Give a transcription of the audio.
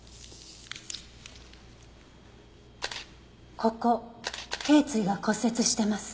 ここ頸椎が骨折してます。